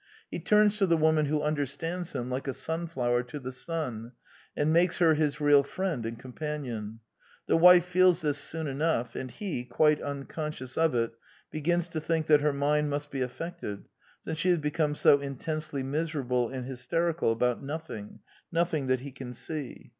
He turns to the woman who understands him like a sunflower to the sun, and makes her his real friend and companion. The wife feels this soon enough ; and he, quite uncon scious of it, begins to think that her mind must be affected, since she has become so intensely mis erable and hysterical about nothing — nothing that he can see.